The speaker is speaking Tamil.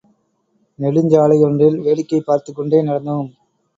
நெடுஞ்சாலையொன்றில், வேடிக்கை பார்த்துக்கொண்டே நடந்தோம்.